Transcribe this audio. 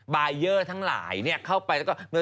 บายเยอร์ทั้งหลายเข้าไปแล้วก็